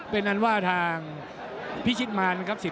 เป็นอันว่าทางพิชิตมารครับ